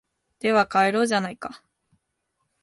では帰ろうじゃないか